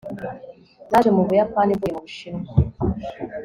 naje mu buyapani mvuye mu bushinwa